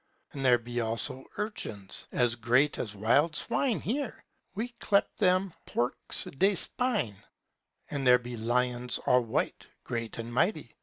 And there be also urchins, as great as wild swine here; we clepe them Porcz de Spine. And there be lions all white, great and mighty.